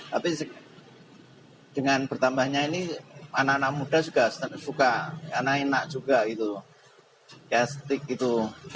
tapi dengan bertambahnya ini anak anak muda juga suka karena enak juga gitu kestik gitu